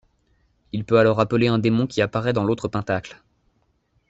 Il peut alors appeler un démon qui apparaît dans l’autre pentacle.